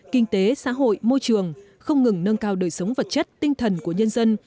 kinh tế xã hội môi trường không ngừng nâng cao đời sống vật chất tinh thần của nhân dân